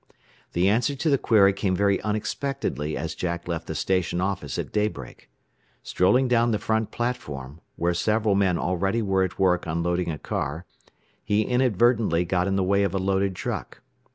The answer to the query came very unexpectedly as Jack left the station office at daybreak. Strolling down the front platform, where several men already were at work unloading a car, he inadvertently got in the way of a loaded truck.